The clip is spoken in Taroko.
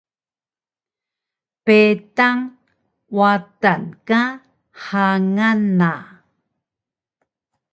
Peydang Watan ka hangan na